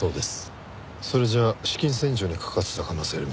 それじゃ資金洗浄に関わっていた可能性ありますね。